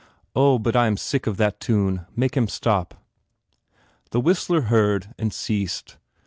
"Oh, but I am sick of that tune! Make him stop." The whistler heard and ceased.